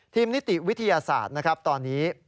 นิติวิทยาศาสตร์นะครับตอนนี้